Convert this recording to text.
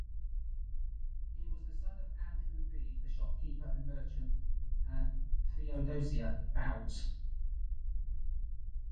He was the son of Andrew Reed, a shopkeeper and merchant, and Theodosia Bowes.